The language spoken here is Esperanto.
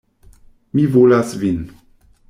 Mi volas vin.